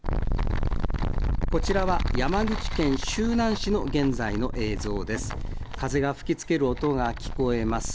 こちらは山口県周南市の現在の映像です。